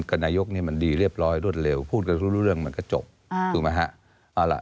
กับนายกนี่มันดีเรียบร้อยรวดเร็วพูดกันรู้เรื่องมันก็จบถูกไหมฮะ